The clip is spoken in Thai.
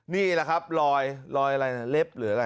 นี่แหละครับลอยลอยอะไรเล็บหรืออะไร